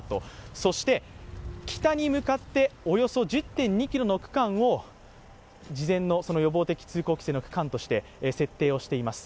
そして北に向かっておよそ１０．２ｋｍの区間を事前の予防的通行規制の区間として設定しています。